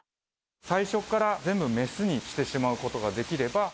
最初っから、全部メスにしてしまうことができれば。